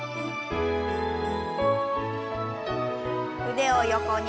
腕を横に。